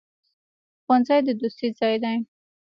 ښوونځی د دوستۍ ځای دی.